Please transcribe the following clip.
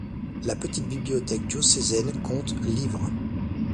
La petite bibliothèque diocésaine compte livres.